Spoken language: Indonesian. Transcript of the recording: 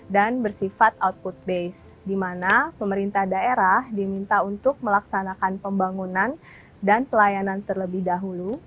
dan bersifat output base di mana pemerintah daerah diminta untuk melaksanakan pembangunan dan pelayanan terlebih dahulu